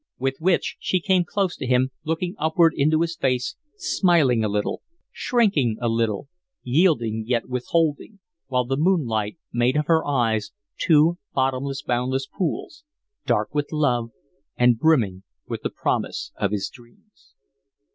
With which she came close to him, looking upward into his face, smiling a little, shrinking a little, yielding yet withholding, while the moonlight made of her eyes two bottomless, boundless pools, dark with love, and brimming with the promise of his dreams.